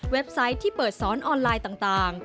ไซต์ที่เปิดสอนออนไลน์ต่าง